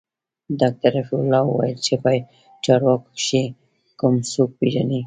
ډاکتر رفيع الله وويل چې په چارواکو کښې کوم څوک پېژني.